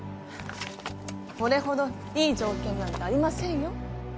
これほどいい条件なんてありませんよ。